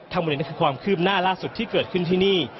ทั้งหมดนี้คือความคืบหน้าล่าสุดที่เกิดขึ้นที่นี่